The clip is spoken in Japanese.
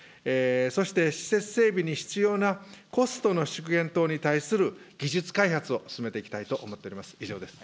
そして施設整備に必要なコストの縮減等に対する技術開発を進めていきたいと思っております。